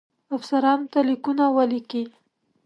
افسرانو ته لیکونه ولیکي.